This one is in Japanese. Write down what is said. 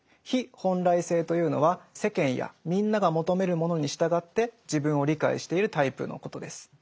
「非本来性」というのは世間やみんなが求めるものに従って自分を理解しているタイプのことです。